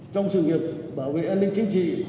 trong sự nghiệp bảo vệ an ninh chính trị